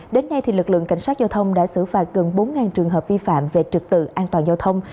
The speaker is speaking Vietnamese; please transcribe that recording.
đến nay lực lượng cảnh sát giao thông đã xử phạt gần bốn trường hợp vi phạm về trực tự an toàn giao thông